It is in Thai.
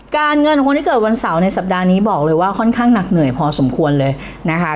เงินของคนที่เกิดวันเสาร์ในสัปดาห์นี้บอกเลยว่าค่อนข้างหนักเหนื่อยพอสมควรเลยนะคะ